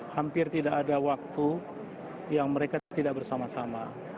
hampir tidak ada waktu yang mereka tidak bersama sama